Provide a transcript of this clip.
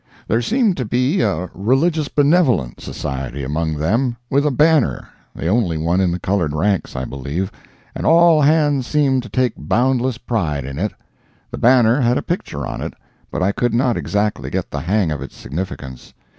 There seemed to be a religious benevolent society among them with a banner—the only one in the colored ranks, I believe—and all hands seemed to take boundless pride in it. The banner had a picture on it, but I could not exactly get the hang of its significance.